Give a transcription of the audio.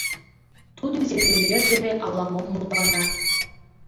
Тудо землемер дене ала-мом мутлана.